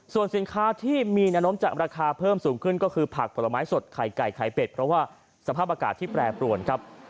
ส่วนสินค้าที่มีแนวนมจากราคาเพิ่มสูงขึ้นก็คือผักผลไม้สดไข่ไก่ไข่เป็ดเพราะว่าสภาพอากาศที่แปรปรวนครับ